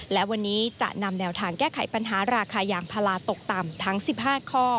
และวันนี้จะนำแนวทางแก้ไขปัญหาราคายางพาราตกต่ำทั้ง๑๕ข้อ